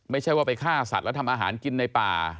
ไม่ใช่ว่าไปฆ่าสัตว์แล้วทำอาหารกินในป่า